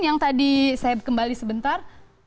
yang tadi saya kembali sebentar